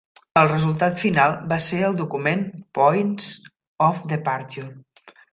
El resultat final va ser el document "Points of Departure".